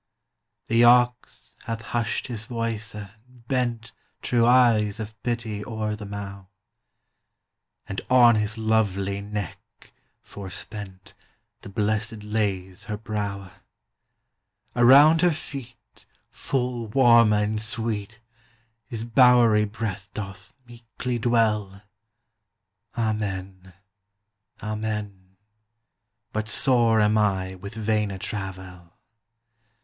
The Ox hath husht his voyce and bent Trewe eyes of Pitty ore the Mow, And on his lovelie Neck, forspent, The Blessed lays her Browe. Around her feet Full Warme and Sweete His bowerie Breath doth meeklie dwell; Amen, Amen: But sore am I with Vaine Travèl!